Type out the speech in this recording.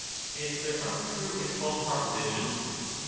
And there are true and false propositions?